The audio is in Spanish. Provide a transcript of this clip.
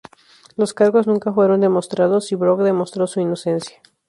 Los cargos nunca fueron demostrados y Brock demostró su inocencia.